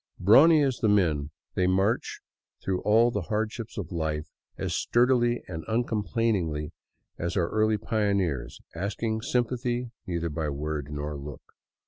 Brawny as the men, they march through all the hardships of life as sturdily and uncomplainingly as our early pioneers, asking sympathy neither by word nor look.